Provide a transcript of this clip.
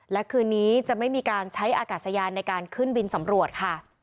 และคืนนี้จะไม่มีการใช้อากาศยานในการขึ้นบินสำรวจค่ะ